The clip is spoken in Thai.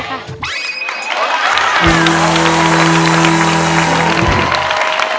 ใช้